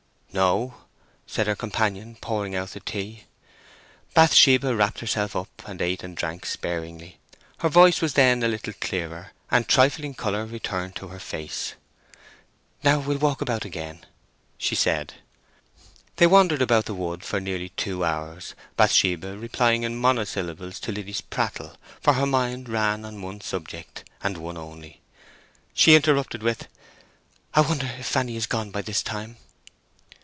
"No," said her companion, pouring out the tea. Bathsheba wrapped herself up and ate and drank sparingly. Her voice was then a little clearer, and trifling colour returned to her face. "Now we'll walk about again," she said. They wandered about the wood for nearly two hours, Bathsheba replying in monosyllables to Liddy's prattle, for her mind ran on one subject, and one only. She interrupted with— "I wonder if Fanny is gone by this time?"